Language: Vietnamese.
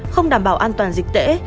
không đảm bảo an toàn dịch tễ